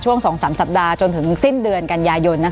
ช่วง๒๓สัปดาห์จนถึงสิ้นเดือนกันยายน